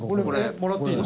もらっていいの？